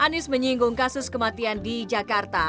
anies menyinggung kasus kematian di jakarta